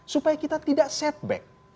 supaya kita tidak setback